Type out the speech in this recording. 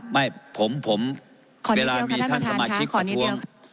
ไม่ผมเวลามีท่านสมาชิกประท้วง